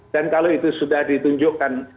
dan kalau itu sudah ditunjukkan